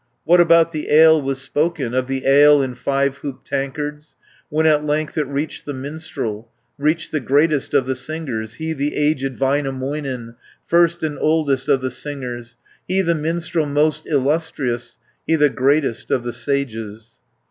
What about the ale was spoken, Of the ale in five hooped tankards, When at length it reached the minstrel, Reached the greatest of the singers, He the aged Väinämöinen, First and oldest of the singers, He the minstrel most illustrious, He the greatest of the Sages?